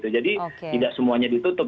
jadi tidak semuanya ditutup